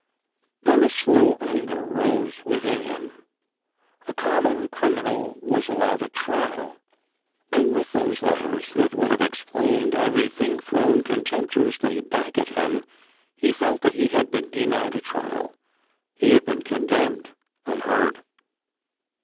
Then a slow anger rose within him. A common crimi nal was allowed a trial,— and with those letters that would have explained everything thrown contemptuously back at him, he felt that he had been denied a trial— he had been condemned unheard.